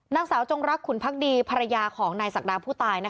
นางสาวจงรักขุนพักดีภรรยาของนายศักดาผู้ตาย